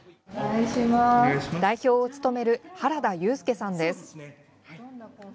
代表を務める原田祐介さんです。